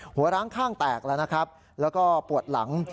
ร้างข้างแตกแล้วนะครับแล้วก็ปวดหลัง